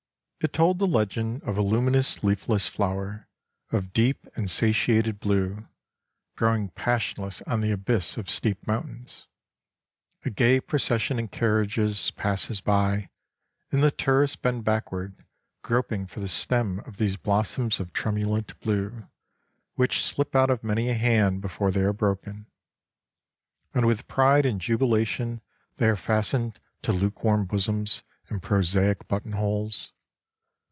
It told the legend of a luminous leafless flower, of deep and satiated blue, growing passionless on the abyss of steep mountains. A gay procession in carriages passes by, and the tourists bend backward, groping for the stem of these blossoms of tremulant blue, which slip out of many a hand before they are broken. And with pride and jubilation they are fastened to lukewarm bosoms and prosaic button holes.